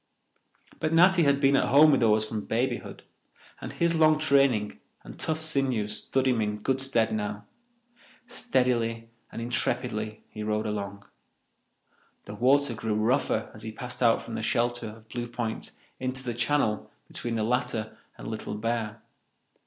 But Natty had been at home with the oars from babyhood, and his long training and tough sinews stood him in good stead now. Steadily and intrepidly he rowed along. The water grew rougher as he passed out from the shelter of Blue Point into the channel between the latter and Little Bear.